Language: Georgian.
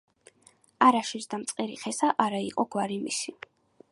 არა შეჯდა მწყერი ხესა, არა იყო გვარი მისი